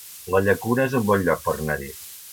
La Llacuna es un bon lloc per anar-hi